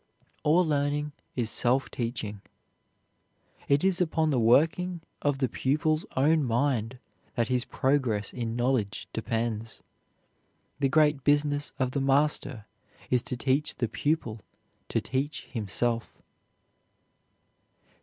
All learning is self teaching. It is upon the working of the pupil's own mind that his progress in knowledge depends. The great business of the master is to teach the pupil to teach himself.